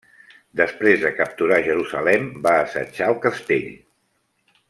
Després de capturar Jerusalem, va assetjar el castell.